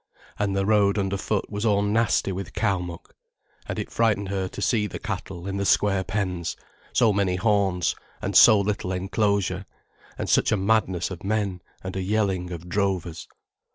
And the road underfoot was all nasty with cow muck. And it frightened her to see the cattle in the square pens, so many horns, and so little enclosure, and such a madness of men and a yelling of drovers.